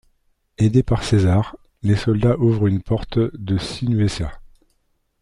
Aidé par César, les soldats ouvrent une porte de Sinuessa.